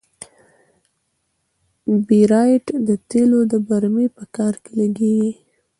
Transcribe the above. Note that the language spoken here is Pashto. بیرایت د تیلو د برمې په کار کې لګیږي.